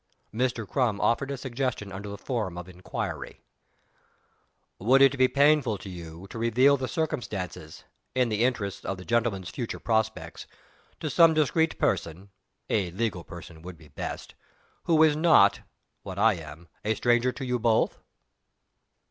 Mr. Crum offered a suggestion under the form of an inquiry: "Would it be painful to you to reveal the circumstances in the interests of the gentleman's future prospects to some discreet person (a legal person would be best) who is not, what I am, a stranger to you both?"